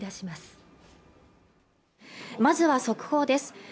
まずは速報です